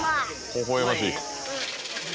ほほ笑ましい。